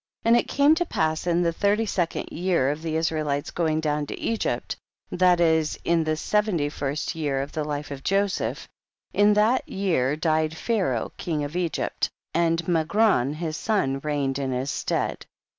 And it came to pass in the thirty second year of the Israelites going down to Egypt, that is in the THE BOOK OF JASHER. 189 seventy first year of the life of Joseph, in that year died Pharaoli king of Egypt, and Magron his son reigned in his stead.